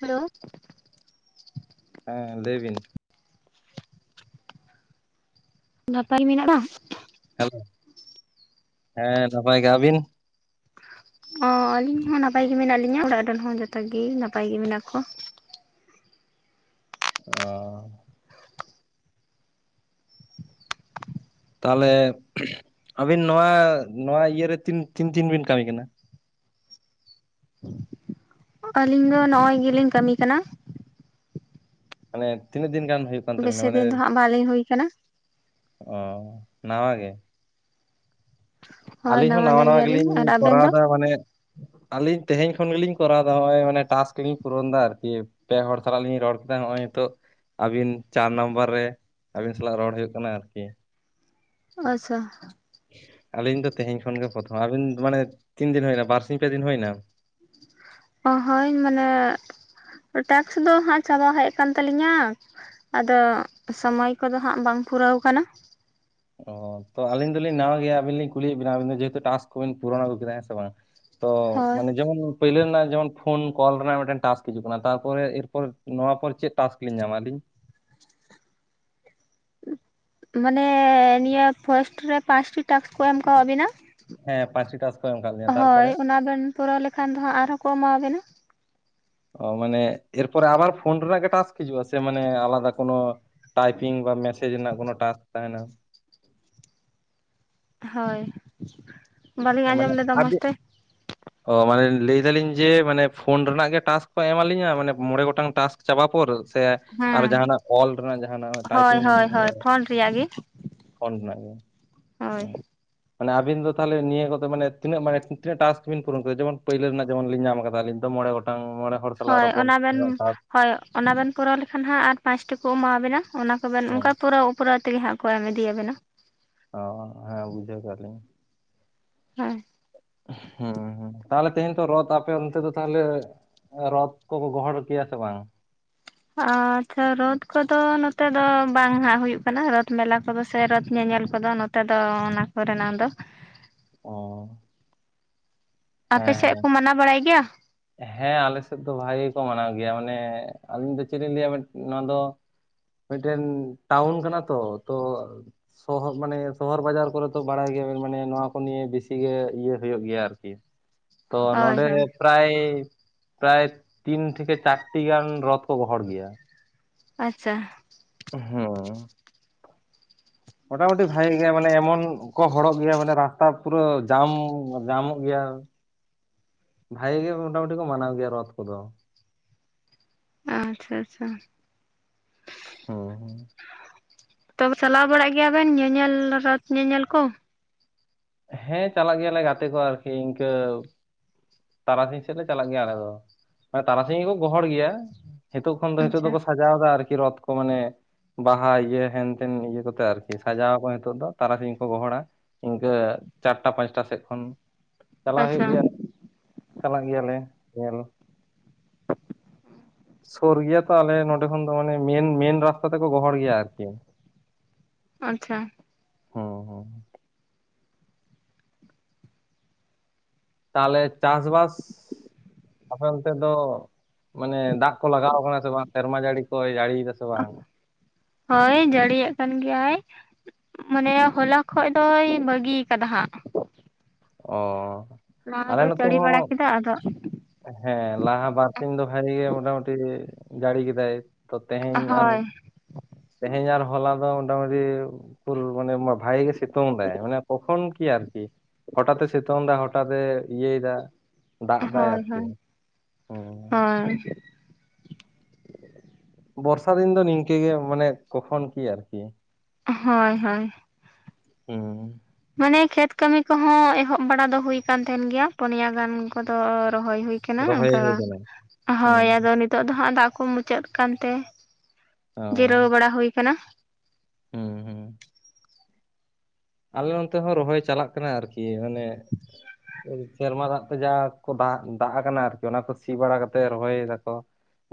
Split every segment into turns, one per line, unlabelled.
Hello.
ᱦᱮᱸ ᱞᱟᱹᱭ ᱵᱤᱱ᱾
ᱱᱟᱯᱟᱭ ᱜᱮ ᱢᱮᱱᱟᱢᱼᱟ?
ᱦᱮᱞᱳ ᱦᱮᱸ ᱱᱟᱯᱟᱭ ᱜᱮ᱾ ᱟᱵᱤᱱ?
ᱚ ᱟᱹᱞᱤᱧ ᱦᱚᱸ ᱱᱟᱯᱟᱭ ᱜᱮ ᱢᱮᱱᱟᱜ ᱞᱤᱧᱟᱹ ᱚᱲᱟᱜ ᱨᱮᱱ ᱦᱚᱸ ᱡᱚᱛᱚ ᱜᱮ ᱱᱟᱯᱟᱭ ᱜᱮ ᱢᱮᱱᱟᱜ ᱠᱚᱣᱟ ᱾
ᱚ ᱛᱟᱦᱚᱞᱮ ᱟᱹᱵᱤᱱ ᱱᱚᱣᱟ, ᱱᱚᱣᱟ ᱤᱭᱟᱹᱨᱮ ᱛᱤᱱ ᱛᱤᱱ ᱫᱤᱱ ᱵᱤᱱ ᱠᱟᱹᱢᱤ ᱠᱟᱱᱟ? [inaudible]
ᱟᱹᱞᱤᱧ ᱫᱚ ᱱᱚᱜ ᱚᱭ ᱜᱮᱞᱤᱧ ᱠᱟᱹᱢᱤ ᱠᱟᱱᱟ᱾
ᱢᱟᱱᱮ ᱛᱤᱱᱟᱹᱜ ᱫᱤᱱ ᱜᱟᱱ ᱦᱩᱭᱩᱜ ᱠᱟᱱ ᱛᱟᱵᱤᱱᱟ?
ᱵᱮᱥᱤ
ᱢᱟᱱᱮᱼ
ᱫᱤᱱ ᱫᱚ ᱦᱟᱸᱜ ᱵᱟᱞᱤᱧ ᱦᱩᱭ ᱠᱟᱱᱟ᱾
ᱚ ᱱᱟᱣᱟ ᱜᱮ?
ᱦᱳᱭ
ᱟᱹᱞᱤᱧ ᱦᱚᱸ ᱱᱟᱣᱟ
ᱧᱚᱜ
ᱱᱟᱣᱟ
ᱜᱮᱭᱟᱞᱤᱧ
ᱜᱮᱞᱤᱧ
ᱟᱨ ᱟᱵᱮᱱ
ᱠᱚᱨᱟᱣ
ᱫᱚ?
ᱮᱫᱟ ᱢᱟᱱᱮᱼᱼ ᱟᱹᱞᱤᱧ ᱛᱮᱦᱮᱧ ᱠᱷᱚᱱ ᱜᱮᱞᱤᱧ ᱠᱚᱨᱟᱣ ᱮᱫᱟ ᱱᱚᱜ ᱚᱭ ᱢᱟᱱᱮ ᱴᱟᱥᱠ ᱠᱚᱞᱤᱧ ᱯᱩᱨᱚᱱ ᱮᱫᱟ ᱟᱨᱠᱤ ᱯᱮ ᱦᱚᱲ ᱥᱟᱞᱟᱜ ᱞᱤᱧ ᱨᱚᱲ ᱠᱮᱫᱟ ᱱᱚᱜᱼᱚᱭ ᱱᱤᱛᱚᱜ ᱟᱹᱵᱤᱱ ᱪᱟᱨ ᱱᱟᱢᱵᱟᱨ ᱨᱮ ᱟᱹᱵᱤᱱ ᱥᱟᱞᱟᱜ ᱨᱚᱲ ᱦᱩᱭᱩᱜ ᱠᱟᱱᱟ ᱟᱨᱠᱤ ᱾
ᱟᱪᱪᱷᱟ
ᱟᱹᱞᱤᱧ ᱫᱚ ᱛᱮᱦᱮᱧ ᱠᱷᱚᱱ ᱜᱮ ᱯᱨᱚᱛᱷᱚᱢ᱾ ᱟᱵᱤᱱ ᱢᱟᱱᱮ ᱛᱤᱱ ᱫᱤᱱ ᱦᱩᱭᱱᱟ ᱵᱟᱨᱥᱤᱧ ᱯᱮ ᱫᱤᱱ ᱦᱩᱭᱱᱟ?
ᱚ ᱦᱳᱭ ᱢᱟᱱᱮ ᱴᱟᱠᱥ ᱫᱚ ᱦᱟᱸᱜ ᱪᱟᱵᱟ ᱦᱮᱡ ᱟᱠᱟᱱ ᱛᱟᱞᱤᱧᱟ᱾ ᱟᱫᱚ ᱥᱚᱢᱚᱭ ᱠᱚᱫᱚ ᱦᱟᱸᱜ ᱵᱟᱝ ᱯᱩᱨᱟᱹᱣ ᱟᱠᱟᱱᱟ ᱾
ᱚ᱾ ᱛᱚ ᱟᱹᱞᱤᱧ ᱫᱚᱞᱤᱧ ᱱᱟᱣᱟ ᱜᱮᱭᱟ ᱟᱹᱵᱤᱱ ᱞᱤᱧ ᱠᱩᱞᱤᱭᱮᱫ ᱵᱮᱱᱟ ᱟᱵᱤᱱ ᱡᱮᱦᱮᱛᱩ ᱴᱟᱥᱠ ᱠᱚᱵᱤᱱ ᱯᱩᱨᱚᱱ ᱟᱹᱜᱩ ᱠᱮᱫᱟ ᱦᱮᱸ ᱥᱮ ᱵᱟᱝ? ᱛᱚ
ᱦᱳᱭ᱾
ᱢᱟᱱᱮ ᱡᱮᱢᱚᱱ ᱯᱳᱭᱞᱳ ᱨᱮᱱᱟᱜ ᱡᱮᱢᱚᱱ ᱯᱷᱳᱱ ᱠᱚᱞ ᱨᱮᱱᱟᱜ ᱴᱟᱥᱠ ᱦᱤᱡᱩᱜ ᱠᱟᱱᱟ ᱛᱟᱨᱯᱚᱨᱮ ᱮᱨᱯᱚᱨ ᱱᱚᱣᱟ ᱯᱚᱨ ᱪᱮᱫ ᱴᱟᱥᱠ ᱞᱤᱧ ᱧᱟᱢᱟ ᱟᱞᱤᱧ?
ᱢᱟᱱᱮ ᱱᱤᱭᱟᱹ ᱯᱷᱚᱨᱥᱴ ᱨᱮ ᱯᱟᱸᱪᱴᱤ ᱴᱟᱥᱠ ᱠᱚ ᱮᱢ ᱠᱟᱣᱵᱤᱱᱟ?
ᱦᱮᱸ ᱯᱟᱸᱪᱴᱤ ᱴᱟᱥᱠ ᱠᱚ ᱮᱢ ᱟᱠᱟᱫ ᱞᱤᱧᱟᱹ
ᱦᱳᱭ
ᱛᱟᱨᱯᱚᱨᱮ
ᱚᱱᱟ ᱵᱮᱱ ᱯᱩᱨᱟᱹᱣ ᱞᱮᱠᱷᱟᱱ ᱫᱚ ᱦᱟᱸᱜ ᱟᱨᱦᱚᱸ ᱠᱚ ᱮᱢᱟ ᱵᱮᱱᱟ ᱾
ᱚ ᱢᱟᱱᱮ ᱮᱨᱯᱚᱨᱮ ᱟᱵᱟᱨ ᱯᱷᱳᱱ ᱨᱮᱱᱟᱜ ᱜᱮ ᱴᱟᱥᱠ ᱦᱤᱡᱩᱜᱼᱟ ᱥᱮ ᱢᱟᱱᱮ ᱟᱞᱟᱫᱟ ᱠᱳᱱᱳᱼᱼ? ᱴᱟᱭᱯᱤᱝ ᱵᱟ ᱢᱮᱥᱮᱡᱽ ᱨᱮᱱᱟᱜ ᱠᱚᱱᱚ ᱴᱟᱥᱠ ᱛᱟᱦᱮᱱᱟ?
ᱦᱳᱭ ᱵᱟᱹᱞᱤᱧ
ᱢᱟᱱᱮ
ᱟᱸᱡᱚᱢ ᱞᱮᱫᱟ
ᱟᱵ [inaudible]
ᱢᱚᱸᱡᱽ
[unintelligible]
ᱛᱮ
ᱚ ᱢᱟᱱᱮ ᱞᱟᱹᱭ ᱫᱟᱞᱤᱧ ᱡᱮ, ᱢᱟᱱᱮ ᱯᱷᱳᱱ ᱨᱮᱱᱟᱜ ᱜᱮ ᱴᱟᱥᱠ ᱠᱚ ᱮᱢᱟ ᱞᱤᱧᱟ ᱢᱟᱱᱮ ᱢᱚᱬᱮ ᱜᱚᱴᱟᱝ ᱴᱟᱥᱠ ᱪᱟᱵᱟ ᱯᱚᱨ ᱥᱮᱼᱼ? ᱟᱨᱚ
ᱦᱮᱸ᱾
ᱡᱟᱦᱟᱱᱟᱜ ᱚᱞ ᱨᱮᱱᱟᱜ ᱡᱟᱦᱟᱱᱟᱜ ᱴᱟᱭᱯᱤᱝᱼᱼ
ᱥ ᱨᱮᱭᱟᱜ ᱜᱮ [inaudible] [unintelligible]
ᱯᱷᱳᱱ ᱨᱮᱱᱟᱜ ᱜᱮ,
ᱦᱳᱭ
ᱦᱮᱸ, ᱢᱟᱱᱮ ᱟᱵᱤᱱ ᱫᱚ ᱛᱟᱦᱚᱞᱮ ᱱᱤᱭᱟᱹ ᱠᱚᱛᱮ ᱢᱟᱱᱮᱹ ᱛᱤᱱᱟᱹᱜ ᱢᱟᱱᱮ ᱴᱟᱥᱠ ᱵᱤᱱ ᱯᱩᱨᱱ ᱠᱮᱫᱟ, ᱡᱮᱢᱚᱱ ᱯᱟᱹᱭᱞᱳ ᱨᱮᱱᱟᱜ ᱡᱮᱢᱚᱞᱤᱧ ᱧᱟᱢ ᱠᱟᱫᱟᱞᱤᱧ? ᱢᱚᱬᱮ ᱜᱚᱴᱟᱝ, ᱢᱚᱬ
ᱦᱳᱭ, ᱚᱱᱟ ᱵᱮᱱ ᱦᱳᱭ ᱚᱱᱟ ᱵᱮᱱ ᱯᱩᱨᱟᱹᱣ ᱞᱮᱠᱷᱟᱱ ᱦᱟᱸᱜ, ᱟᱨ ᱯᱟᱸᱪᱴᱤ ᱠᱚ ᱮᱢᱟᱵᱮᱱᱟ ᱚᱱᱟ ᱠᱚᱵᱮᱱ
ᱦᱮᱸ
ᱚᱱᱠᱟ ᱯᱩᱨᱟᱹᱣ ᱾ ᱯᱩᱨᱟᱹᱣ ᱛᱮᱜᱮ ᱦᱟᱸᱜ ᱠᱚ ᱮᱢ ᱤᱫᱤᱭᱟᱵᱮᱱᱟ ᱾
ᱚ, ᱦᱮᱸ, ᱵᱩᱡᱷᱟᱹᱣ ᱫᱟᱞᱤᱧ᱾
ᱦᱮᱸ,
ᱦᱢᱸ, ᱛᱟᱦᱚᱞᱮ ᱛᱮᱦᱮᱧ ᱛᱚ ᱨᱚᱛᱷ ᱟᱯᱮ ᱚᱱᱛᱮ ᱫᱚ ᱛᱟᱦᱚᱞᱮ? ᱨᱚᱛᱷ ᱠᱚᱠᱚ ᱜᱚᱦᱚᱲ ᱦᱚᱪᱚᱭᱟ ᱥᱮ ᱵᱟᱝ?
ᱟᱪᱪᱷᱟ, ᱨᱚᱛᱷᱚ ᱠᱚᱫᱚ ᱱᱚᱛᱮ ᱫᱚ ᱵᱟᱝ ᱦᱟᱸᱜ ᱦᱩᱭᱩᱜ ᱠᱟᱱᱟ, ᱨᱚᱛᱷᱚ ᱢᱮᱞᱟ ᱠᱚᱫᱚ ᱥᱮ ᱨᱚᱛᱷᱚ ᱧᱮᱧᱮᱞ ᱠᱚᱫᱚ ᱱᱚ ᱱᱮᱛᱟᱨ ᱫᱚ ᱚᱱᱟ ᱠᱚᱨᱮᱱᱟᱜ ᱫᱚ᱾
ᱚ᱾
ᱟᱯᱮ
ᱦᱮᱸ
ᱥᱮᱜ
ᱦᱮᱸ
ᱠᱚ ᱢᱟᱱᱟᱣ ᱵᱟᱲᱟᱭ ᱜᱮᱭᱟ?
ᱦᱮᱸ, ᱟᱞᱮ ᱥᱮᱫ ᱫᱚ ᱵᱷᱟᱜᱮ ᱜᱮ ᱠᱚ ᱢᱟᱱᱟᱣ ᱜᱮᱭᱟ, ᱢᱟᱱᱮ ᱟᱹᱞᱤᱧ ᱫᱚ ᱪᱮᱫ ᱞᱤᱧ ᱞᱟᱹᱭᱟ, ᱱᱚᱣᱟ ᱫᱚ ᱢᱤᱫᱴᱮᱱ ᱴᱟᱣᱩᱱ ᱠᱟᱱᱟ ᱛᱚ, ᱛᱚ ᱥᱚᱦᱚᱜ, ᱢᱟᱱᱮ ᱥᱚᱦᱚᱨ ᱵᱟᱡᱟᱨ ᱠᱚᱨᱮ ᱫᱚ ᱵᱟᱲᱟᱭ ᱜᱮᱭᱟᱵᱮᱱ ᱢᱟᱱᱮ, ᱱᱚᱣᱟ ᱠᱚ ᱱᱤᱭᱮ ᱵᱤᱥᱤᱜ ᱜᱮ ᱤᱭᱟᱹ ᱦᱳᱭᱳᱜ ᱜᱮᱭᱟ ᱟᱨᱠᱤ᱾ ᱛᱚ
ᱦᱳᱭ
ᱱᱚᱰᱮ
ᱦᱳᱭ
ᱯᱮᱨᱟᱭ, ᱯᱮᱨᱟᱭ ᱛᱤᱱ ᱛᱷᱮᱠᱮ ᱪᱟᱨᱴᱤ ᱜᱟᱱ, ᱨᱚᱛᱷᱚ ᱠᱚ ᱜᱚᱦᱚᱲ ᱜᱮᱭᱟ᱾
ᱟᱪᱪᱟ᱾
ᱦᱩᱸᱜ᱾ ᱢᱚᱴᱟᱢᱩᱴᱤ ᱵᱷᱟᱜᱮ ᱜᱮᱭᱟ ᱢᱟᱱᱮ ᱮᱢᱚᱱ ᱠᱚ ᱦᱚᱲᱚᱜ ᱜᱮᱭᱟ ᱢᱟᱱᱮ ᱨᱟᱥᱛᱟ ᱯᱩᱨᱟᱹ ᱡᱟᱢ, ᱡᱟᱢᱚᱜ ᱜᱮᱭᱟ᱾ ᱵᱷᱟᱜᱮ ᱜᱮ ᱢᱳᱴᱟᱢᱩᱴᱤ ᱠᱚ ᱢᱟᱱᱟᱣ ᱜᱮᱭᱟ ᱨᱚᱛᱷᱚ ᱠᱚᱫᱚ᱾
ᱟᱪᱪᱷᱟ, ᱟᱪᱪᱷᱟ᱾
ᱦᱚᱸ, ᱦᱚᱸ᱾
ᱛᱚᱵᱽ ᱪᱟᱞᱟᱣ ᱵᱟᱲᱟᱜ ᱜᱮᱭᱟ ᱵᱮᱱ, ᱧᱮᱧᱮᱞ ᱨᱚᱛ ᱧᱮᱧᱮᱞ ᱠᱚ?
ᱦᱮᱸ ᱪᱟᱞᱟᱜ ᱜᱮᱭᱟᱞᱮ ᱜᱟᱛᱮ ᱠᱚ ᱟᱨᱠᱤ ᱤᱱᱠᱟᱹ ᱛᱟᱨᱟᱥᱤᱧ ᱥᱮᱫ ᱞᱮ ᱪᱟᱞᱟᱜ ᱜᱮᱭᱟ ᱟᱞᱮ ᱫᱚ᱾ ᱢᱟᱱᱮ ᱛᱟᱨᱟᱥᱤᱧ ᱜᱮᱠᱚ ᱜᱚᱦᱚᱲ ᱜᱮᱭᱟ᱾ ᱦᱮᱛᱳᱜ ᱠᱷᱚᱱ ᱫᱚ, ᱦᱮᱛᱳᱜ
ᱟᱪᱪᱷᱟ
ᱫᱚᱠᱚ ᱥᱟᱡᱟᱣ ᱫᱟ ᱟᱨᱠᱤ ᱨᱚᱛ ᱠᱚ ᱢᱟᱱᱮ ᱵᱟᱦᱟ ᱤᱭᱟᱹ ᱦᱮᱱᱛᱮᱱ ᱤᱭᱟᱹ ᱠᱚᱛᱮ ᱟᱨᱠᱤ, ᱥᱟᱡᱟᱣᱟᱠᱚ ᱱᱤᱛᱚᱜ ᱫᱚ ᱛᱟᱨᱟᱥᱤᱧ ᱠᱚ ᱜᱚᱦᱚᱲᱟ᱾ ᱤᱟᱹ ᱪᱟᱨᱴᱟ, ᱯᱟᱸᱪᱴᱟ ᱥᱮᱫ ᱠᱷᱚᱱ ᱪᱟᱞᱟᱣ ᱦᱳᱭᱳᱜ
ᱟᱪᱪᱷᱟ
ᱜᱮᱭᱟ᱾ ᱪᱟᱞᱟᱜ ᱜᱮᱭᱟᱞᱮ ᱧᱮᱞ᱾ ᱥᱳᱨ ᱜᱮᱭᱟ ᱛᱚ ᱟᱞᱮ ᱱᱚᱰᱮ ᱠᱷᱚᱱ ᱫᱚ᱾ ᱢᱟᱱᱮ ᱢᱮᱱ, ᱢᱮᱱ ᱨᱟᱥᱛᱟ ᱛᱮᱠᱚ ᱜᱚᱦᱚᱲ ᱜᱮᱭᱟ ᱟᱨᱠᱤ᱾
ᱟᱪᱪᱷᱟ᱾
ᱦᱩᱸ ᱦᱩᱸ ᱛᱟᱦᱚᱞᱮ, ᱪᱟᱥ-ᱵᱟᱥ? ᱟᱯᱮ ᱚᱱᱛᱮ ᱫᱚ, ᱢᱟᱱᱮ ᱫᱟᱜ ᱠᱚ ᱞᱟᱜᱟᱣ ᱠᱟᱱᱟ ᱥᱮ ᱵᱟᱝ? ᱥᱮᱨᱢᱟ ᱡᱟᱹᱲᱤ ᱠᱚᱭ ᱡᱟᱹᱲᱤᱭᱫᱟ ᱥᱮ? ᱵᱟᱝ
ᱦᱳᱭ, ᱡᱟᱹᱲᱤᱭᱮᱜ ᱠᱟᱱ ᱜᱮᱭᱟᱭ᱾ ᱢᱟᱱᱮ ᱦᱚᱞᱟ ᱠᱷᱚᱡ ᱫᱚᱭ, ᱵᱟᱹᱜᱤᱭ ᱠᱟᱫᱟ ᱦᱟᱸᱜ᱾
ᱚᱻ᱾
ᱞᱟᱦᱟ ᱫᱚ ᱪᱟᱹᱲᱤ ᱵᱟᱲᱟ ᱠᱮᱫᱟ, ᱟᱫᱚ
ᱦᱮᱸ, ᱞᱟᱦᱟ ᱵᱟᱨᱥᱤᱧ ᱫᱚ ᱵᱷᱟᱜᱮ ᱜᱮ ᱢᱚᱴᱟ ᱢᱩᱴᱤ ᱡᱟᱹᱲᱤ ᱠᱮᱫᱟᱭ, ᱛᱚ ᱛᱮᱦᱮᱧ ᱟᱨ
ᱦᱳᱭ
ᱛᱮᱦᱮᱧ ᱟᱨ ᱦᱚᱞᱟ ᱫᱚ ᱢᱳᱴᱟᱢᱩᱴᱤ ᱯᱩᱨ, ᱢᱟᱱᱮ ᱵᱷᱟᱜᱮ ᱜᱮ ᱥᱤᱛᱩᱝ ᱫᱟᱭ ᱢᱟᱱᱮ ᱠᱚᱠᱷᱚᱱ ᱠᱤ ᱟᱨᱠᱤ ᱦᱚᱴᱟᱛᱼᱮ ᱥᱤᱛᱩᱝ ᱫᱟ, ᱦᱚᱴᱟᱛᱼᱮ ᱤᱭᱟᱹᱭ ᱫᱟ, ᱫᱟᱜ ᱫᱟᱭ ᱟᱨᱠᱤ ᱦᱚᱸ᱾
ᱟᱨ,
ᱵᱚᱨᱥᱟ ᱫᱤᱱ ᱫᱚ ᱱᱤᱝᱠᱟᱹ ᱜᱮ, ᱢᱟᱱᱮ ᱠᱚᱠᱷᱚᱱ ᱠᱤ ᱟᱨᱠᱤ᱾
ᱦᱚᱭ ᱦᱚᱭ᱾
ᱦᱩᱸ
ᱢᱟᱱᱮ ᱠᱷᱮᱛ ᱠᱟᱹᱢᱤ ᱠᱚᱦᱚᱸ ᱮᱦᱚᱵ ᱵᱟᱲᱟ ᱫᱚ ᱦᱩᱭ ᱠᱟᱱ ᱛᱟᱦᱮᱱ ᱜᱮᱭᱟ᱾ ᱯᱚᱱᱭᱟ ᱜᱟᱱ ᱠᱚᱫᱚ ᱨᱚᱦᱚᱭ ᱦᱩᱭ ᱠᱟᱱᱟ
ᱨᱚᱦᱚᱭ
ᱚᱱᱠᱟ,
ᱦᱩᱭ ᱠᱟᱱᱟ
ᱦᱳᱭ,
ᱦᱩᱸ
ᱟᱫᱚ ᱱᱤᱛᱚᱜ ᱫᱚ ᱦᱟᱸᱜ ᱫᱟᱜ ᱠᱚ ᱢᱩᱪᱟᱹᱫ ᱟᱠᱟᱱ ᱛᱮ
ᱚ
ᱡᱤᱨᱟᱹᱣ ᱵᱟᱲᱟ ᱦᱩᱭ ᱟᱠᱟᱱᱟ᱾
ᱦᱩᱸ, ᱦᱩᱸ ᱟᱞᱮ ᱱᱚᱱᱛᱮ ᱦᱚᱸ ᱨᱚᱦᱚᱭ ᱪᱟᱞᱟᱜ ᱠᱟᱱᱟ ᱟᱨᱠᱤ ᱚᱱᱮ ᱥᱮᱨᱢᱟ ᱫᱟᱜ ᱡᱟ ᱠᱚ ᱫᱟᱜ, ᱫᱟᱜ ᱟᱠᱟᱱᱟ ᱚᱱᱟ ᱠᱚ ᱥᱤ ᱵᱟᱲᱟ ᱠᱟᱛᱮᱫ ᱨᱚᱦᱚᱭ ᱾ᱮᱫᱟ ᱠᱚ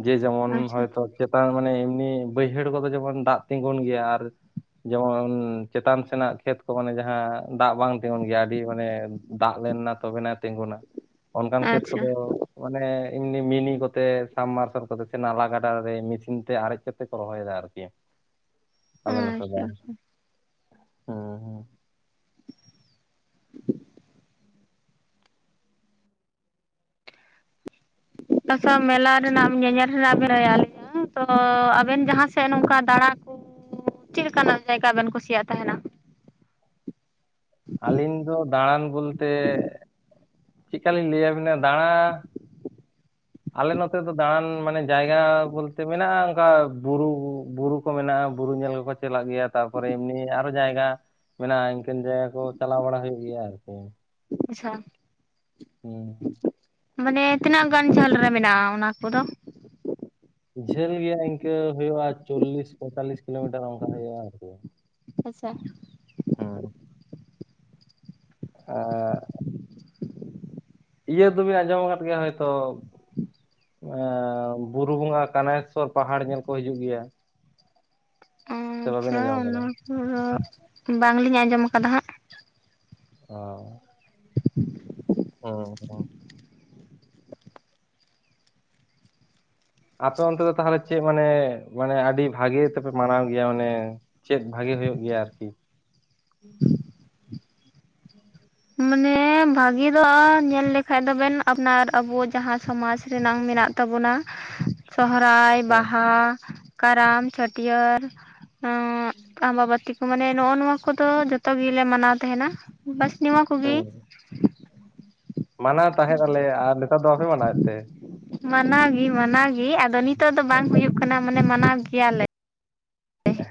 ᱡᱮ ᱡᱮᱢᱚᱱ
ᱟᱪᱪᱷᱟ
ᱦᱚᱭᱛᱚ ᱪᱮᱛᱟᱱ ᱢᱟᱱᱮ ᱮᱢᱱᱤ ᱵᱟᱹᱭᱦᱟᱹᱲ ᱠᱚᱫᱚ ᱡᱮᱢᱚᱱ ᱫᱟᱜ ᱛᱤᱸᱜᱩᱱ ᱜᱮᱭᱟ, ᱟᱨ ᱡᱮᱢᱚᱱ ᱪᱮᱛᱟᱱ ᱥᱮᱱᱟᱜ ᱠᱷᱮᱛ ᱾ ᱚ ᱢᱟᱱᱮ ᱡᱟᱦᱟᱸ ᱫᱟᱜ ᱵᱟᱝ ᱛᱤᱸᱜᱩᱱ ᱜᱮᱭᱟ ᱟᱹᱰᱤ ᱢᱟᱱᱮ ᱫᱟᱜ ᱞᱮᱱᱱᱟ ᱛᱚᱵᱮᱱᱟ ᱛᱤᱸᱜᱩᱱᱟ᱾ ᱚᱱᱠᱟᱱ ᱠᱷᱮᱛ
ᱟᱪᱪᱷᱟ
ᱠᱚᱫᱚ ᱢᱟᱱᱮ ᱮᱢᱱᱤ ᱢᱤᱱᱤ ᱠᱚᱛᱮ ᱥᱟ ᱵ ᱢᱟᱨᱥᱟᱞ ᱠᱚᱛᱮ ᱥᱮ ᱱᱟᱞᱟ ᱜᱟᱰᱟ ᱨᱮ ᱢᱮᱥᱤᱱ ᱛᱮ ᱟᱨᱮᱡ ᱪᱮᱫ ᱠᱚ ᱨᱚᱦᱚᱭ ᱮᱫᱟ ᱟᱨᱠᱤ ᱟᱞᱮ ᱱᱚᱛᱮ ᱫᱚ
ᱟᱪᱪᱷᱟ
ᱦᱩᱸ ᱦᱩᱸ
ᱟᱪᱷᱟ ᱢᱮᱞᱟ ᱨᱮᱱᱟᱜ ᱧᱮᱧᱮᱞ ᱨᱮᱱᱟᱜ ᱜᱮ ᱨᱟᱭᱟᱞ ᱾ ᱛᱚ ᱟᱵᱮᱱ ᱡᱟᱦᱟᱸ ᱥᱮᱫ ᱱᱚᱝᱠᱟ ᱫᱟᱬᱟ ᱪᱮᱫ ᱞᱮᱠᱟᱱᱟᱜ ᱡᱟᱭᱜᱟ ᱵᱮᱱ ᱠᱩᱥᱤᱭᱟᱜ ᱛᱟᱦᱮᱱᱟ?
ᱟᱹᱞᱤᱧ ᱫᱚ ᱫᱟᱬᱟᱱ ᱵᱚᱞᱛᱮ ᱪᱮᱫᱞᱮᱠᱟ ᱞᱤᱧ ᱞᱟᱹᱭ ᱟ ᱵᱤᱱᱟ ᱫᱟᱬᱟ ᱾ ᱟᱞᱮ ᱱᱚᱛᱮ ᱫᱚ ᱫᱟᱬᱟᱱ ᱢᱟᱱᱮ ᱡᱟᱭᱜᱟ ᱵᱚᱞᱛᱮ ᱢᱮᱱᱟᱜᱼᱟ ᱚᱝᱠᱟ ᱵᱩᱨᱩ ᱵᱩᱨᱩ ᱾ ᱠᱚ ᱢᱮᱱᱟᱜᱼᱟ ᱵᱩᱨᱩ ᱧᱮᱞ ᱠᱚᱠᱚ ᱪᱟᱞᱟᱜ ᱜᱮᱭᱟ ᱛᱟᱨᱯᱚᱨᱮ ᱮᱢᱱᱤ ᱟᱨᱚ ᱡᱟᱭᱜᱟ, ᱾ ᱢᱮᱱᱟᱜᱼᱟ ᱤᱱᱠᱟᱹᱱ ᱡᱟᱭᱜᱟ ᱠᱚ ᱪᱟᱞᱟᱣ ᱵᱟᱲᱟ ᱦᱩᱭᱩᱜ ᱜᱮᱭᱟ ᱟᱨᱠᱤ ᱾
ᱟᱪᱷᱟ!
ᱦᱩᱸ!
ᱢᱟᱱᱮ ᱛᱤᱱᱟ ᱜ ᱜᱟᱱ ᱡᱷᱟᱹᱞ ᱨᱮ ᱢᱮᱱᱟᱜᱼᱟ ᱚᱱᱟ ᱠᱚᱫᱚ?
ᱡᱷᱟᱹᱞ ᱜᱮᱭᱟ ᱤᱱᱠᱟᱹ ᱦᱩᱭᱩᱜᱼᱟ ᱪᱚᱞᱞᱤᱥ ᱯᱚᱭᱛᱟᱞᱤᱥ ᱠᱤᱞᱳᱢᱤᱴᱟᱨ ᱚᱱᱠᱟ ᱦᱩᱭᱩᱜᱼᱟ ᱟᱨᱠᱤ ᱾
ᱟᱪᱷᱟ
ᱦᱩᱸ ᱮ ᱤᱭᱟᱹ ᱫᱚᱵᱤᱱ ᱟᱸᱡᱚᱢ ᱟᱠᱟᱫ ᱜᱮᱭᱟ ᱦᱚᱭᱛᱚ ᱾ ᱮᱸ ᱵᱩᱨᱩ ᱵᱚᱸᱜᱟ ᱠᱟᱱᱮᱥᱚᱨ ᱯᱟᱦᱟᱲ ᱧᱮᱞ ᱠᱚ ᱦᱤᱡᱩᱜ ᱜᱮᱭᱟ ᱾
ᱟᱪᱷᱟ
ᱟᱸᱡᱚᱢ ᱟᱠᱟᱫᱟ?
ᱚᱱᱟ ᱠᱚᱫᱚ ᱵᱟᱝᱞᱤᱧ ᱟᱸᱡᱚᱢ ᱠᱟᱫᱟ ᱦᱟᱸᱜ᱾
ᱚᱸᱻ
ᱠᱷᱚᱴᱼᱠᱷᱚᱴ ᱠᱷᱚᱴ-ᱠᱷᱟᱴ ᱾
ᱚᱸᱻ ᱟᱯᱮ ᱚᱱᱛᱮ ᱫᱚ ᱛᱟᱦᱚᱞᱮ ᱪᱮᱫ ᱢᱟᱱᱮ ᱢᱟᱱᱮ ᱟᱹᱰᱤ ᱵᱷᱟᱜᱮ ᱛᱮᱯᱮ ᱢᱟᱱᱟᱣ ᱜᱮᱭᱟ ᱚᱱᱮ? ᱪᱮᱫ ᱵᱷᱟᱜᱮ ᱦᱩᱭᱩᱜ ᱜᱮᱭᱟ ᱟᱨᱠᱤ? ᱦᱩᱸ
ᱢᱟᱱᱮ ᱵᱷᱟᱜᱮ ᱫᱚ ᱧᱮᱞ ᱞᱮᱠᱷᱟᱡ ᱫᱚᱵᱮᱱ ᱟᱯᱱᱟᱨ ᱟᱵᱚ ᱡᱟᱦᱟᱸ ᱥᱚᱢᱟᱡᱽ ᱨᱮᱱᱟᱝ ᱢᱮᱱᱟᱜ ᱾ ᱛᱟᱵᱚᱱᱟ ᱾ ᱥᱚᱦᱨᱟᱭ,
ᱦᱩᱸ
ᱵᱟᱦᱟ, ᱠᱟᱨᱟᱢ, ᱪᱷᱟᱹᱴᱭᱟᱹᱨ ᱾ ᱚᱸᱻ ᱟᱢᱵᱟᱵᱟᱹᱛᱤ ᱠᱚ ᱢᱟᱱᱮ ᱱᱚ-ᱚ ᱱᱚᱣᱟ ᱠᱚᱫᱚ ᱡᱚᱛᱚ ᱜᱮᱞᱮ ᱢᱟᱱᱟᱣ ᱛᱟᱦᱮᱱᱟ ᱵᱟᱥ ᱱᱤᱢ ᱩᱜᱤ
ᱦᱩᱸ ᱢᱟᱱᱟᱣ ᱛᱟᱦᱮᱸ ᱟᱞᱮ ᱟᱨ ᱱᱮᱛᱟᱨ ᱫᱚ ᱵᱟᱯᱮ ᱢᱟᱱᱟᱣᱮᱫ ᱛᱮ?
ᱢᱟᱱᱟᱣ ᱜᱮ ᱢᱟᱱᱟᱣ ᱜᱮ ᱟᱫᱚ ᱱᱤᱛᱚ ᱜᱫᱚ ᱵᱟᱝ ᱦᱩᱭᱩᱜ ᱠᱟᱱᱟ ᱢᱟᱱᱮ ᱢᱟᱱᱟᱣ ᱜᱮᱭᱟᱞᱮ ᱾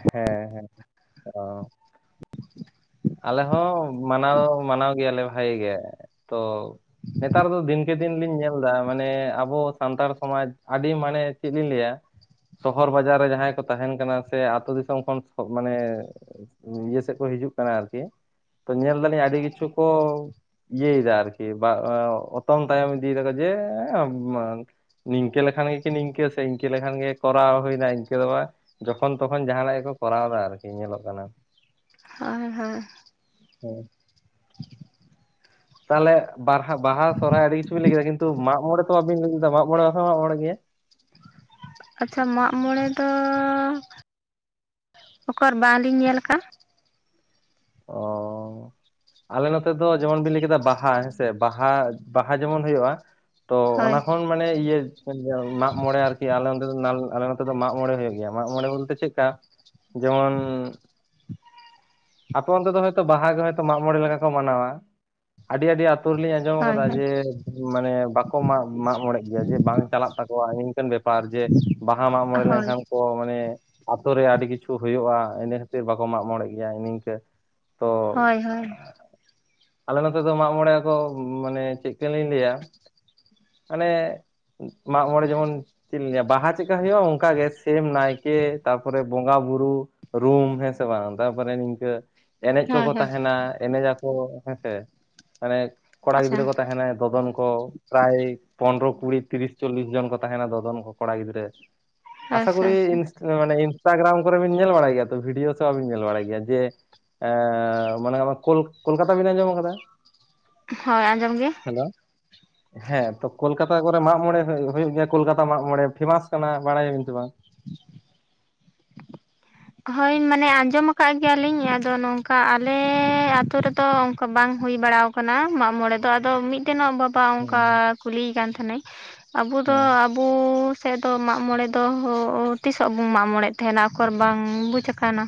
ᱦᱮᱸ- ᱦᱮᱸ ᱨᱟᱢ ᱟᱞᱮ ᱦᱚᱸ ᱢᱟᱱᱟᱣ ᱢᱟᱱᱟᱣ ᱜᱮᱭᱟᱞᱮ ᱵᱷᱟᱜᱮ ᱜᱮ ᱛᱚ--᱾ ᱱᱮᱛᱟᱨ ᱫᱚ ᱫᱤᱱᱠᱮ ᱫᱤᱱ ᱞᱤᱧ ᱧᱮᱞ ᱮᱫᱟ ᱢᱟᱱᱮ ᱟᱵᱚ ᱥᱟᱱᱛᱟᱲ ᱥᱚᱢᱟᱡᱽ ᱟᱹᱰᱤ ᱢᱟᱱᱮ ᱪᱮᱫ ᱞᱤᱧ ᱞᱟᱹᱭᱟ ᱥᱚᱦᱚᱨ ᱵᱟᱡᱟᱨ ᱨᱮ ᱡᱟᱦᱟᱸᱭ ᱠᱚ ᱛᱟᱦᱮᱱ ᱠᱟᱱᱟ ᱥᱮ ᱟᱛᱳ ᱫᱤᱥᱚᱢ ᱠᱷᱚᱱ ᱠᱷᱚᱡ ᱢᱟᱱᱮ ᱱᱤᱡᱮ ᱛᱮᱠᱚ ᱦᱤᱡᱩᱜ ᱠᱟᱱᱟ ᱟᱨᱠᱤ ᱛᱚ ᱧᱮᱞ ᱫᱟᱞᱤᱧ ᱟᱹᱰᱤ ᱠᱤᱪᱷᱩ ᱠᱚ ᱤᱭᱟᱹᱭ ᱫᱟ ᱟᱨᱠᱤ ᱵᱟ ᱚᱛᱚᱝ ᱛᱟᱭᱚᱢ ᱤᱫᱤ ᱫᱟᱠᱚ ᱡᱮᱼᱮᱸ ᱵᱟᱝ ᱱᱤᱝᱠᱟᱹ ᱞᱮᱠᱷᱟᱱ ᱜᱮ ᱠᱤ ᱱᱤᱝᱠᱟᱹ ᱥᱮ ᱤᱱᱠᱟᱹ ᱞᱮᱠᱷᱟᱱ ᱜᱮ ᱠᱚᱨᱟᱣ ᱦᱩᱭᱱᱟ ᱤᱱᱠᱟᱹ ᱫᱚᱵᱟ᱾ ᱡᱚᱠᱷᱚᱱ ᱛᱚᱠᱷᱚᱱ ᱡᱟᱦᱟᱱᱟᱜ ᱜᱮᱠᱚ ᱠᱚᱨᱟᱣ ᱫᱟ ᱟᱨᱠᱤ ᱧᱮᱞᱚᱜ ᱠᱟᱱᱟ᱾
ᱦᱳᱭ ᱦᱳᱭ᱾
ᱦᱮᱸ ᱛᱟᱦᱚᱞᱮ ᱵᱟᱨᱦᱟ ᱵᱟᱦᱟ, ᱥᱚᱨᱚᱦᱟᱭ ᱟᱹᱰᱤ ᱠᱤᱪᱷᱩ ᱵᱤᱱ ᱞᱟᱹᱭ ᱠᱮᱫᱟ᱾ ᱠᱤᱱᱛᱩ ᱢᱟᱜ ᱢᱚᱬᱮ ᱛᱚ ᱵᱟᱵᱤᱱ ᱞᱟᱹᱭ ᱞᱮᱫᱟ᱾ ᱢᱟᱜ ᱢᱚᱬᱮ ᱦᱚᱸ ᱵᱟᱯᱮ ᱢᱟᱜᱽ ᱢᱚᱬᱮ ᱜᱮᱭᱟ?
ᱟᱪᱪᱷᱟ ᱢᱟᱜ ᱢᱚᱬᱮ ᱫᱚ ᱚᱠᱚᱨ ᱵᱟᱝᱞᱤᱧ ᱧᱮᱞ ᱠᱟᱜᱼᱟ?
ᱚᱸᱻ ᱟᱞᱮ ᱱᱚᱛᱮ ᱫᱚ ᱡᱮᱢᱚᱱ ᱵᱤᱱ ᱞᱟᱹᱭ ᱠᱮᱫᱟ ᱵᱟᱦᱟ ᱦᱮᱸᱥᱮ ᱵᱟᱦᱟ ᱵᱟᱦᱟ ᱡᱮᱢᱚᱱ ᱦᱩᱭᱩᱜᱼᱟ ᱛᱚ ᱚᱱᱟ
ᱦᱳᱭ
ᱠᱷᱚᱱ ᱢᱟᱱᱮ ᱤᱭᱟᱹ ᱤᱭᱟᱹ ᱢᱟᱜᱽ ᱢᱚᱬᱮ ᱟᱨᱠᱤ ᱟᱞᱮ ᱱᱚᱛᱮ ᱫᱚ ᱱᱟ ᱟᱞᱮ ᱱᱚᱛᱮ ᱫᱚ ᱢᱟᱜ ᱢᱚᱬᱮ ᱦᱩᱭᱩᱜ ᱜᱮᱭᱟ᱾ ᱢᱟᱜᱽ ᱢᱚᱬᱮ ᱵᱚᱞᱛᱮ ᱪᱮᱫ ᱞᱮᱠᱟ? ᱡᱮᱢᱚᱱ ᱟᱯᱮ ᱚᱱᱛᱮ ᱫᱚ ᱦᱚᱭ ᱛᱚ ᱵᱟᱦᱟ ᱜᱮ ᱦᱳᱭᱛᱳ ᱢᱟᱜ ᱢᱚᱬᱮ ᱞᱮᱠᱟ ᱠᱚ ᱢᱟᱱᱟᱣᱟ᱾ ᱟᱹᱰᱤ ᱟᱹᱰᱤ ᱟᱹᱛᱩ ᱨᱮᱞᱤᱧ ᱟᱸᱡᱚᱢ
ᱦᱳᱭ
ᱠᱟᱫᱟ
ᱦᱳᱭ
ᱡᱮ ᱢᱟᱱᱮ ᱵᱟᱠᱚ ᱢᱟᱜ ᱢᱟᱜ ᱢᱚᱬᱮᱜ ᱜᱮᱭᱟ ᱡᱮ ᱵᱟᱝ ᱪᱟᱞᱟᱜ ᱛᱟᱠᱚᱣᱟ ᱱᱤᱝᱠᱟᱹᱱ ᱵᱮᱯᱟᱨ ᱡᱮ ᱵᱟᱦᱟ ᱢᱟᱜ ᱢᱚᱬᱮ
ᱦᱳᱭ
ᱞᱮᱱᱠᱷᱟᱱ ᱠᱚ ᱢᱟᱱᱮ ᱟᱹᱛᱩ ᱨᱮ ᱟᱹᱰᱤ ᱠᱤᱪᱷᱩ ᱦᱩᱭᱩᱜᱼᱟ, ᱤᱱᱟᱹ ᱠᱷᱟᱹᱛᱤᱨ ᱵᱟᱠᱚ ᱢᱟᱜ ᱢᱚᱬᱮ ᱜᱮᱭᱟ ᱱᱤᱝᱠᱟᱹ ᱛᱚ
ᱦᱳᱭ ᱦᱳᱭ
ᱟᱞᱮ ᱱᱚᱛᱮ ᱫᱚ ᱢᱟᱜ ᱢᱚᱬᱮ ᱠᱚ ᱢᱟᱱᱮ ᱪᱮᱫ ᱠᱟᱹᱞᱤᱧ ᱞᱟᱹᱭᱟ ᱢᱟᱱᱮ ᱢᱟᱜ ᱢᱚᱬᱮ ᱡᱮᱢᱚᱱ ᱪᱮᱫ ᱞᱤᱧ ᱞᱟᱹᱭᱟ ᱵᱟᱦᱟ ᱪᱮᱫᱠᱟ ᱦᱩᱭᱩᱜᱼᱟ? ᱚᱱᱠᱟ ᱜᱮ ᱥᱮᱢ ᱱᱟᱭᱠᱮ ᱛᱟᱨᱯᱚᱨᱮ ᱵᱚᱸᱜᱟ ᱵᱩᱨᱩ ᱨᱩᱢ ᱦᱮ ᱥᱮ ᱵᱟᱝ ᱛᱟᱯᱚᱨᱮ ᱟᱹ ᱮᱱᱮᱡ
ᱦᱳᱭ
ᱠᱚᱠᱚ
ᱦᱳᱭ
ᱛᱟᱦᱮᱱᱟ, ᱮᱱᱮᱡ ᱟᱠᱚ ᱦᱮᱸᱥᱮ ᱢᱟᱱᱮ ᱠᱚᱲᱟ
ᱟᱪᱪᱷᱟ
ᱜᱤᱫᱽᱨᱟᱹ ᱠᱚ ᱛᱟᱦᱮᱱᱟᱭ ᱫᱚᱫᱚᱱ ᱠᱚ᱾ ᱯᱨᱟᱭ ᱯᱚᱱᱨᱚ ᱠᱩᱲᱤ ᱛᱤᱨᱤᱥ ᱪᱚᱞᱤᱥ ᱡᱚᱱ ᱠᱚ ᱛᱟᱦᱮᱱᱟ, ᱫᱚᱫᱚᱱ ᱠᱚ ᱠᱚᱲᱟ ᱜᱤᱫᱽᱨᱟᱹ᱾ ᱟᱥᱟ
ᱟᱪᱪᱷᱟ
ᱠᱚᱨᱤ
ᱟᱪᱪᱷᱟ
ᱤᱱᱥᱴᱟ ᱢᱟᱱᱮ ᱤᱱᱥᱴᱟᱜᱨᱟᱢ ᱠᱚᱨᱮ ᱵᱤᱱ ᱧᱮᱞ ᱵᱟᱲᱟᱭ ᱜᱮᱭᱟ ᱛᱚ, ᱵᱷᱤᱰᱤᱭᱳ ᱥᱮ ᱵᱟᱵᱤᱱ ᱧᱮᱞ ᱵᱟᱲᱟᱭ ᱜᱮᱭᱟ ᱡᱮ ᱮ ᱢᱟᱱᱮ ᱠᱳᱞ ᱠᱳᱞᱠᱟᱛᱟ ᱵᱤᱱ ᱟᱸᱡᱚᱢ ᱟᱠᱟᱫᱟ?
ᱦᱳᱭ ᱟᱸᱡᱚᱢ ᱜᱮ᱾
ᱦᱮᱞᱳ! ᱦᱮᱸ ᱛᱚ ᱠᱳᱞᱠᱟᱛᱟ ᱠᱚᱨᱮ ᱢᱟᱜ ᱢᱚᱬᱮ ᱦᱩᱭᱩᱜ ᱜᱮᱭᱟ ᱠᱳᱞᱠᱟᱛᱟ ᱢᱟᱜ ᱢᱚᱬᱮ, ᱯᱷᱮᱢᱟᱥ ᱠᱟᱱᱟ ᱵᱟᱲᱟᱭᱟᱵᱤᱱ ᱥᱮ ᱵᱟᱝ?
ᱦᱳᱭ ᱢᱟᱱᱮ ᱟᱸᱡᱚᱢ ᱟᱠᱟᱫ ᱜᱮᱭᱟ ᱞᱤᱧ, ᱟᱫᱚ ᱱᱚᱝᱠᱟ ᱟᱞᱮ ᱟᱹᱛᱩ ᱨᱮ ᱫᱚ ᱚᱱᱠᱟ ᱵᱟᱝ ᱦᱩᱭ ᱵᱟᱲᱟᱣ ᱟ᱾ -ᱠᱟᱱᱟ ᱢᱟᱜ ᱢᱚᱬᱮ ᱫᱚ ᱟᱫᱚ ᱢᱤᱫ ᱛᱮᱱᱚᱜ ᱵᱟᱵᱟ ᱚᱱᱠᱟ
ᱦᱮᱸ
ᱠᱩᱞᱤᱭᱮ ᱠᱟᱱ ᱛᱟᱦᱮᱱᱟᱭ ᱟᱵᱚ ᱫᱚ
ᱦᱮᱸ
ᱟᱵᱚ ᱥᱮᱫ ᱫᱚ ᱢᱟᱜᱽ ᱢᱚᱬᱮ ᱫᱚ ᱛᱤᱥᱚᱜ ᱵᱚᱱ ᱢᱟᱜᱽ ᱢᱚᱬᱮ ᱛᱟᱦᱮᱱᱟ ᱟᱠᱚᱨᱮ? ᱵᱟᱝ ᱵᱩᱡᱽ ᱟᱠᱟᱱᱟ᱾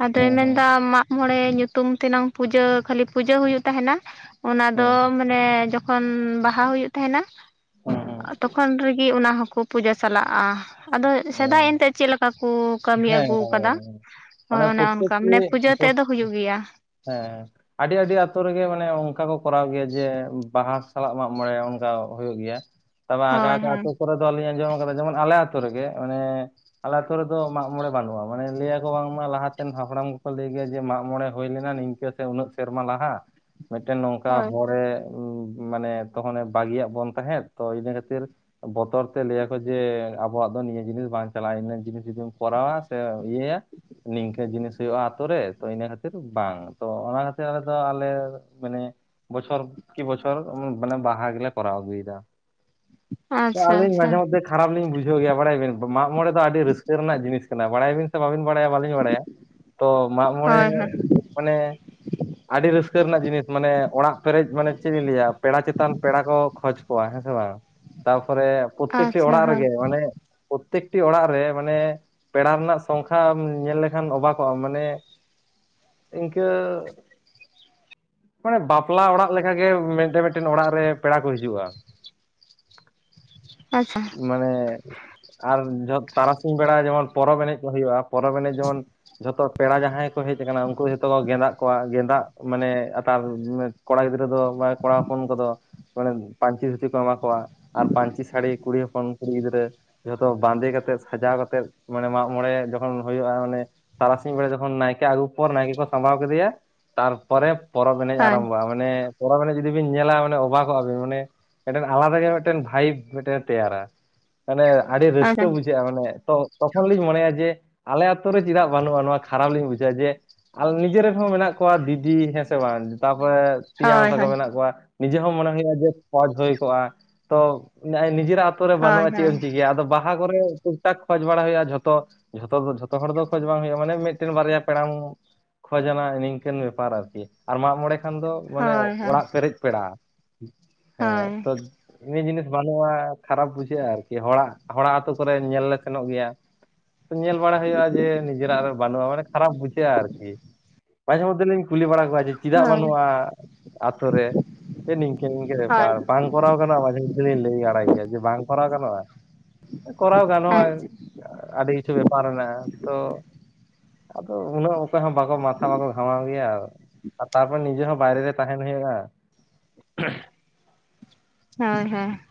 ᱟᱫᱚᱭ ᱢᱮᱱ
ᱦᱮᱸ
ᱮᱫᱟ ᱢᱟᱜ ᱢᱚᱬᱮ ᱧᱩᱛᱩᱢ ᱛᱮᱱᱟᱝ ᱯᱩᱡᱟᱹ ᱠᱷᱟᱹᱞᱤ ᱯᱩᱡᱟᱹ ᱦᱩᱭᱩᱜ ᱛᱟᱦᱮᱱᱟ᱾ ᱚᱱᱟ ᱫᱚ
ᱦᱮᱸ
ᱢᱟᱱᱮ ᱡᱚᱠᱷᱚᱱ ᱵᱟᱦᱟ ᱦᱩᱭᱩᱜ ᱛᱟᱦᱮᱱᱟ᱾
ᱦᱮᱸ ᱦᱮᱸ
ᱛᱚᱠᱷᱚᱱ ᱨᱮᱜᱤ ᱚᱱᱟ ᱦᱚᱸ ᱠᱩ ᱯᱩᱡᱟᱹ ᱪᱟᱞᱟᱜᱼᱟ᱾ ᱟᱫᱚ
ᱦᱮᱸ
ᱥᱮᱫᱟᱭ ᱮᱱᱛᱮᱫ ᱪᱮᱫ ᱞᱮᱠᱟ ᱠᱚ ᱠᱟᱹᱢᱤ ᱟᱹ
ᱦᱮᱸ
ᱜᱩ ᱟᱠᱟᱫᱟ ᱦᱚ
ᱢᱟᱱᱮ
ᱚᱱᱮ ᱚᱱᱠᱟ
ᱯᱨᱚᱛᱮᱠᱴᱤ
ᱢᱟᱱᱮ ᱯᱩᱡᱟᱹ ᱛᱮᱫ ᱫᱚ ᱦᱩᱭᱩᱜ ᱜᱮᱭᱟ᱾
ᱦᱮᱸ ᱟᱹᱰᱤ ᱟᱹᱰᱤ ᱟᱹᱛᱩ ᱨᱮ ᱜᱮ ᱢᱟᱱᱮ ᱚᱱᱠᱟ ᱠᱚ ᱠᱚᱨᱟᱣ ᱜᱮᱭᱟ ᱡᱮ ᱵᱟᱦᱟ ᱥᱟᱞᱟᱜ ᱢᱟᱜᱽ ᱢᱚᱬᱮ ᱚᱱᱠᱟ ᱦᱩᱭᱩᱜ ᱜᱮᱭᱟ᱾ ᱛᱚᱵᱮ ᱚᱠᱟ
ᱦᱳᱭ
ᱚᱠᱟ
ᱦᱳᱭ
ᱟᱹᱛᱩ ᱠᱚᱨᱮ ᱫᱚᱞᱤᱧ ᱟᱸᱡᱚᱢ ᱟᱠᱟᱫᱟ, ᱡᱮᱢᱚᱱ ᱟᱞᱮ ᱟᱹᱛᱩ ᱨᱮᱜᱮ ᱢᱟᱱᱮ ᱟᱞᱮ ᱟᱹᱛᱩ ᱨᱮᱫᱚ ᱢᱟᱜᱽ ᱢᱚᱬᱮ ᱵᱟᱹᱱᱩᱜᱼᱟ᱾ ᱢᱟᱱᱮ ᱞᱟᱹᱭ ᱟᱠᱚ ᱵᱟᱝ ᱢᱟ ᱞᱟᱦᱟᱛᱮᱱ ᱦᱟᱯᱲᱟᱢ ᱠᱚᱠᱚ ᱞᱟᱹᱭ ᱜᱮᱭᱟ ᱡᱮ ᱢᱟᱜ ᱢᱚᱬᱮ ᱦᱩᱭ ᱞᱮᱱᱟ ᱱᱤᱝ ᱠᱟᱹ ᱥᱮ ᱩᱱᱟᱹᱜ ᱥᱮᱨᱢᱟ ᱞᱟᱦᱟ ᱢᱤᱫᱴᱮᱱ ᱱᱚᱝᱠᱟ
ᱦᱳᱭ
ᱦᱚᱲᱮ ᱢᱟᱱᱮ ᱛᱚᱠᱷᱚᱱᱮ ᱵᱟᱹᱜᱤᱭᱟᱜ ᱵᱚᱱ ᱛᱟᱦᱮᱸᱫ ᱛᱚ ᱤᱱᱟᱹ ᱠᱷᱟᱹᱛᱤᱨ ᱵᱚᱛᱚᱨ ᱛᱮ ᱞᱟᱹᱭ ᱟᱠᱚ ᱡᱮ ᱟᱵᱚᱣᱟᱜ ᱫᱚ ᱱᱤᱭᱟᱹ ᱡᱤᱱᱤᱥ ᱵᱟᱝ ᱪᱟᱞᱟᱜ-ᱟ᱾ ᱤᱱᱟᱹ ᱡᱤᱱᱤᱥ ᱡᱩᱫᱤᱢ ᱠᱚᱨᱟᱣᱟ ᱥᱮ ᱤᱭᱟᱹᱭᱟ ᱱᱤᱝᱠᱟᱹ ᱡᱤᱱᱤᱥ ᱦᱩᱭᱩᱜᱼᱟ ᱟᱹᱛᱩ ᱨᱮ ᱛᱚ ᱤᱱᱟᱹ ᱠᱷᱟᱹᱛᱤᱨ ᱵᱟᱝ, ᱛᱚ ᱚᱱᱟ ᱠᱷᱟᱹᱛᱤᱨ ᱟᱞᱮ ᱫᱚ ᱟᱞᱮ ᱢᱟᱱᱮ ᱵᱚᱪᱷᱚᱨ ᱠᱤ ᱵᱚᱪᱷᱚᱨ ᱢᱟᱱᱮ ᱵᱟᱦᱟ ᱜᱮᱞᱮ ᱠᱚᱨᱟᱣ ᱟᱹᱜᱩᱭ ᱮᱫᱟ᱾ ᱚ
ᱟᱪᱪᱷᱟ
ᱟᱹᱞᱤᱧ
ᱟᱪᱪᱷᱟ
ᱢᱟᱡᱷᱮ ᱢᱚᱫᱽᱷᱮ ᱠᱷᱟᱨᱟᱯ ᱞᱤᱧ ᱵᱩᱡᱷᱟᱹᱣ ᱜᱮᱭᱟ ᱵᱟᱲᱟᱭᱟᱵᱮᱱ? ᱢᱟᱜ ᱢᱚᱬᱮ ᱫᱚ ᱟᱹᱰᱤ ᱨᱟᱹᱥᱠᱟᱹ ᱨᱮᱱᱟᱜ ᱡᱤᱱᱤᱥ ᱠᱟᱱᱟ᱾ ᱵᱟᱲᱟᱭᱟᱵᱤᱱ ᱥᱮ ᱵᱟᱵᱤᱱ ᱵᱟᱲᱟᱭᱟ ᱵᱟᱹᱞᱤᱧ ᱵᱟᱲᱟᱭᱟ? ᱛᱚ ᱢᱟᱜ ᱢᱚᱬᱮ
ᱦᱳᱭ ᱦᱳᱭ
ᱢᱟᱱᱮ ᱟᱹᱰᱤ ᱨᱟᱹᱥᱠᱟᱹ ᱨᱮᱱᱟᱜ ᱡᱤᱱᱤᱥ ᱢᱟᱱᱮ ᱚᱲᱟᱜ ᱯᱮᱨᱮᱡ ᱢᱟᱱᱮ ᱪᱮᱫ ᱤᱧ ᱞᱟᱹᱭᱟ ᱯᱮᱲᱟ ᱪᱮᱛᱟᱱ ᱯᱮᱲᱟ ᱠᱚ ᱠᱷᱚᱡᱽ ᱠᱚᱣᱟ ᱦᱮᱸ ᱥᱮ ᱵᱟᱝ? ᱛᱟᱨᱯᱚᱨᱮ ᱯᱨᱚᱛᱮᱠᱴᱤ
ᱟᱪᱪᱷᱟ
ᱚᱲᱟᱜ
ᱦᱳᱭ
ᱨᱮᱜᱮ ᱢᱟᱱᱮ ᱯᱨᱚᱛᱮᱠᱴᱤ ᱚᱲᱟᱜ ᱨᱮ ᱢᱟᱱᱮ ᱯᱮᱲᱟ ᱨᱮᱱᱟᱜ ᱥᱚᱝᱠᱷᱟᱢ ᱧᱮᱞ ᱞᱮᱠᱷᱟᱱ ᱚᱵᱠᱚᱜᱼᱟ ᱢᱟᱱᱮ ᱤᱝᱠᱟᱹ ᱳᱭ ᱵᱟᱯᱞᱟ ᱚᱲᱟᱜ ᱞᱮᱠᱟᱜᱮ ᱢᱤᱫᱴᱮᱱ ᱢᱤᱫᱴᱮᱱ ᱚᱲᱟᱜ ᱨᱮ ᱯᱮᱲᱟ ᱠᱚ ᱦᱤᱡᱩᱜᱼᱟ᱾ [unintelligible]
ᱟᱪᱪᱷᱟ
ᱢᱟᱱᱮ ᱟᱨ ᱡᱷᱚ ᱛᱟᱨᱟᱥᱤᱧ ᱵᱮᱲᱟ ᱡᱮᱢᱚᱱ ᱯᱚᱨᱚᱵᱽ ᱮᱱᱮᱡ ᱠᱚ ᱦᱩᱭᱩᱜᱼᱟ᱾ ᱯᱚᱨᱚᱵᱽ ᱮᱱᱮᱢ ᱡᱮᱢᱚᱱ ᱡᱷᱚᱛᱚ ᱯᱮᱲᱟ ᱡᱟᱦᱟᱸᱭ ᱠᱚ ᱦᱮᱡ ᱟᱠᱟᱱᱟ ᱩᱱᱠᱩ ᱡᱷᱚᱛᱚ ᱠᱚ ᱜᱸᱮᱫᱟᱜ ᱠᱚᱣᱟ ᱜᱮᱸᱫᱟᱜ ᱢᱟᱱᱮ ᱟᱛᱟᱨ ᱠᱚᱲᱟ ᱜᱤᱫᱽᱨᱟᱹ ᱫᱚ ᱢᱟᱱᱮ ᱠᱚᱲᱟ ᱦᱚᱯᱚᱱ ᱠᱚᱫᱚ ᱢᱟᱱᱮ ᱯᱟᱹᱧᱪᱤ ᱫᱷᱩᱛᱤ ᱠᱚ ᱮᱢᱟ ᱠᱚᱣᱟ ᱟᱨ ᱯᱟᱹᱧᱪᱤ ᱥᱟᱹᱲᱤ ᱠᱩᱲᱤ ᱦᱚᱯᱚᱱ ᱠᱩᱲᱤ ᱜᱤᱫᱽᱨᱟᱹ ᱡᱚᱛᱚ ᱵᱟᱸᱫᱮ ᱠᱟᱛᱮᱜ ᱥᱟᱡᱟᱣ ᱠᱟᱛᱮᱜ ᱢᱟᱱᱮ ᱢᱟᱜ ᱢᱚᱬᱮ ᱡᱚᱠᱷᱚᱱ ᱦᱩᱭᱩᱜᱼᱟ ᱢᱟᱱᱮ ᱛᱟᱨᱟᱥᱤᱧ ᱵᱮᱲᱟ ᱡᱚᱠᱷᱚᱱ ᱱᱟᱭᱠᱮ ᱟᱹᱜᱩ ᱯᱚᱨ ᱱᱟᱭᱠᱮ ᱠᱚ ᱥᱟᱢᱵᱟᱣ ᱠᱮᱫᱮᱭᱟ ᱛᱟᱨᱯᱚᱨᱮ ᱯᱚᱨᱚᱵᱽ ᱮᱱᱮᱡ
ᱦᱳᱭ
ᱟᱨᱟᱢᱵᱚᱜᱼᱟ ᱢᱟ ᱢᱟᱱᱮ ᱯᱚᱨᱚᱵᱽ ᱮᱱᱮᱡ ᱡᱩᱫᱤ ᱵᱤᱱ ᱧᱮᱞᱟ ᱢᱟᱱᱮ ᱚᱵᱟᱜᱚᱜᱼᱟ ᱵᱤᱱ ᱢᱟᱱᱮ ᱢᱤᱫᱴᱮᱱ ᱟᱞᱟᱫᱟ ᱜᱮ ᱢᱤᱫᱴᱮᱱ ᱵᱷᱟᱭᱤᱵ ᱢᱤᱫᱴᱮᱱ ᱛᱮᱭᱟᱨᱟ ᱢᱟᱱᱮ ᱟᱹᱰᱤ ᱨᱟᱹᱥᱠᱟᱹ
ᱟᱪᱪᱷᱟ
ᱵᱩᱡᱷᱟᱹᱜᱼᱟ ᱢᱟᱱᱮ ᱛᱚ ᱛᱚᱠᱷᱚᱱ ᱞᱤᱧ ᱢᱚᱱᱮᱭᱟ ᱡᱮ ᱟᱞᱮ ᱟᱛᱩ ᱨᱮ ᱪᱮᱫᱟᱜ ᱵᱟᱹᱱᱩᱜᱼᱟ ᱱᱚᱣᱟ ᱠᱷᱟᱨᱟᱯ ᱞᱤᱧ ᱵᱩᱡᱷᱟᱹᱣᱟ ᱡᱮ ᱟᱨ ᱱᱤᱡᱮᱨᱤᱱ ᱦᱚᱸ ᱢᱮᱱᱟᱜ ᱠᱚᱣᱟ ᱫᱤᱫᱤ ᱦᱮᱸ ᱥᱮ ᱵᱟᱝ ᱛᱟᱯᱚᱨᱮ ᱛᱮᱧᱟᱝ
ᱦᱳᱭ
ᱛᱟᱠᱚ
ᱦᱳᱭ
ᱢᱮᱱᱟᱜ ᱠᱚᱣᱟ ᱱᱤᱡᱮ ᱦᱚᱸ ᱢᱚᱱᱮ ᱦᱩᱭᱩᱜᱼᱟ ᱡᱮ ᱯᱚᱡ ᱦᱩᱭ ᱠᱚᱜᱼᱟ ᱛᱚ ᱱᱤᱡᱮᱨᱟᱜ ᱟᱛᱩ ᱨᱮ
ᱦᱳᱭ
ᱵᱟᱹᱱᱩᱜᱼᱟ ᱪᱮᱫ ᱮᱢ ᱪᱤᱠᱟᱹᱭᱟ ᱟᱫᱚ ᱵᱟᱦᱟ ᱠᱚᱨᱮ ᱴᱩᱠ ᱴᱟᱠ ᱠᱷᱡᱽ ᱵᱟᱲᱟ ᱦᱩᱭᱩᱜᱼᱟ ᱡᱷᱚᱛᱚ᱾ ᱡᱷᱚᱛᱚ ᱡᱷᱚᱛᱚ ᱦᱚᱲ ᱫᱚ ᱠᱷᱚᱡᱽ ᱵᱟᱝ ᱦᱩᱭᱩᱜᱼᱟ ᱢᱟᱱᱮ ᱢᱤᱫᱴᱮᱱ ᱵᱟᱨᱭᱟ ᱯᱮᱲᱟᱢ ᱠᱷᱚᱡᱱᱟ ᱱᱤᱝᱠᱟᱹᱱ ᱵᱮᱯᱟᱨ ᱟᱨᱠᱤ, ᱟᱨ ᱢᱟᱜ ᱢᱚᱬᱮ ᱠᱷᱟᱱ ᱫᱚ ᱢᱟᱱᱮ
ᱦᱳᱭ ᱦᱳᱭ ᱦᱳᱭ
ᱚᱲᱟᱜ ᱯᱮᱨᱮᱡ ᱯᱮᱲᱟ ᱦᱮᱸ ᱛᱚ ᱤᱱᱟᱹ ᱡᱤᱱᱤᱥ ᱵᱟᱹᱱᱩᱜᱼᱟ ᱠᱷᱟᱨᱟᱯ ᱵᱩᱡᱷᱟᱹᱜᱼᱟ ᱟᱨᱠᱤ ᱦᱚᱲᱟᱜ ᱦᱚᱲᱟᱜ ᱟᱹᱛᱩ ᱠᱚᱨᱮ ᱧᱮᱞ ᱞᱮ ᱥᱮᱱᱚᱜ ᱜᱮᱭᱟ᱾ ᱧᱮᱞ ᱵᱟᱲᱟ ᱦᱩᱭᱩᱜᱼᱟ ᱡᱮ ᱱᱤᱡᱮᱨᱟᱜ ᱨᱮ ᱵᱟᱹᱱᱩᱜᱼᱟ ᱢᱟᱱᱮ ᱠᱷᱟᱨᱟᱯ ᱵᱩᱡᱷᱟᱹᱜᱼᱟ ᱟᱨᱠᱤ᱾ ᱢᱟᱡᱦᱮ ᱢᱚᱫᱦᱮ ᱞᱤᱧ ᱠᱩᱞᱤ ᱵᱟᱲᱟ ᱠᱚᱣᱟ ᱪᱮᱫᱟᱜ
ᱦᱳᱭ
ᱵᱟᱹᱱᱩᱜᱼᱟ ᱟᱛᱳ ᱨᱮ ᱱᱤᱝᱠᱟᱹ ᱱᱤᱠᱟᱹ
ᱦᱳᱭ
ᱵᱮᱯᱟᱨ ᱵᱟᱝ ᱠᱚᱨᱟᱣ ᱜᱟᱱᱚᱜᱼᱟ ᱢᱟᱷᱮ ᱢᱚᱫᱷᱮ ᱞᱤᱧ ᱞᱟᱹᱭ ᱵᱟᱲᱟᱭ ᱜᱮᱭᱟ ᱡᱮ ᱵᱟᱝ ᱠᱚᱨᱟᱣ ᱜᱟᱱᱚᱜᱼᱟ? ᱠᱚᱨᱟᱣ
ᱦᱳᱭ
ᱜᱟᱱᱚᱜᱼᱟ ᱟᱹᱰᱤ ᱠᱤᱪᱷᱩ ᱵᱮᱯᱟᱨ ᱢᱮᱱᱟᱜ ᱛᱚ ᱟᱫᱚ ᱩᱱᱟᱹᱜ ᱚᱠᱚᱭ ᱦᱚᱸ ᱵᱟᱠᱚ ᱢᱟᱛᱷᱟ ᱵᱟᱠᱚ ᱜᱷᱟᱢᱟᱣ ᱜᱮᱭᱟ᱾ ᱟᱨ ᱛᱟᱨᱯᱚᱨ ᱱᱤᱡᱮ ᱦᱚᱸ ᱵᱟᱭᱨᱮ ᱨᱮ ᱛᱟᱦᱮᱱ ᱦᱩᱭᱩᱜᱼᱟ᱾
[unintelligible]